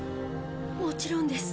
もちろんです